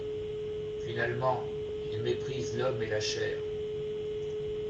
Finalement, ils méprisent l’homme et la chair.